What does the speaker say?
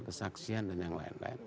kesaksian dan yang lain lain